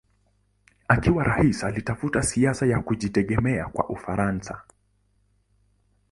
Akiwa rais alifuata siasa ya kujitegemea kwa Ufaransa.